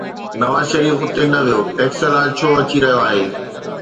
نواز شريف اتي نه ويو، ٽيڪسلا ڇو اچي رهيو آهي؟